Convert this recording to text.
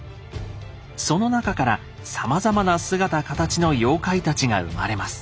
その中からさまざまな姿形の妖怪たちが生まれます。